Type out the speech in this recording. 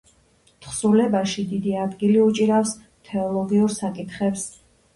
თხზულებაში დიდი ადგილი უჭირავს თეოლოგიურ საკითხებს.